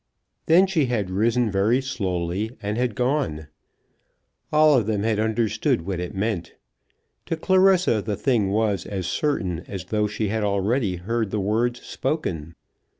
Then she had risen very slowly and had gone. All of them had understood what it meant. To Clarissa the thing was as certain as though she already heard the words spoken.